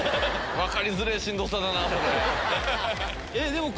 分かりづれぇしんどさだな。